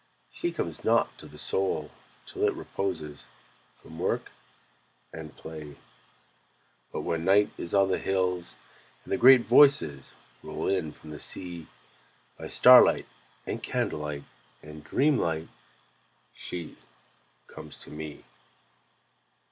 She comes not to the Soul till it reposes From work and play. But when Night is on the hills, and the great Voices Roll in from Sea, By starlight and candle light and dreamlight She comes to me.